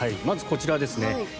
まず、こちらですね。